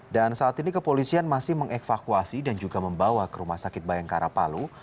dan saat ini kepolisian masih mengevakuasi dan juga membawa ke rumah sakit bayangkara palu